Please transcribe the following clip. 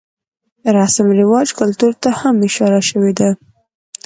رسم رواج ،کلتور ته هم اشاره شوې ده.